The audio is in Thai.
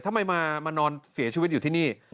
ทำไมมานอนเสียชีวิตอยู่ที่นี่